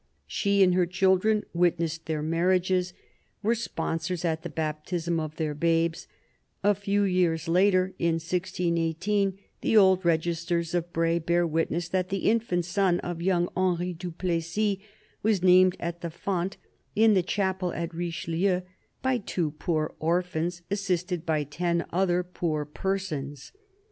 She and her children witnessed their marriages, were sponsors at the baptism of their babes; a few years later, in 1618, the old registers of Braye bear witness that the infant son of young Henry du Plessis was named at the font, in the chapel at Richelieu, by two "poor orphans," assisted by "ten other poor persons."